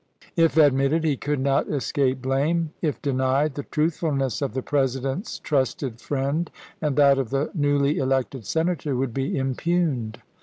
If admitted, he could not escape blame; if denied, the truthfulness of the President's trusted friend and that of the newly elected Senator would be impugned.